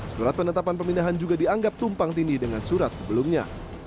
surat penetapan pemindahan juga dianggap tumpang tindih dengan surat sebelumnya